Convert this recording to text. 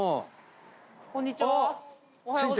「こんにちは」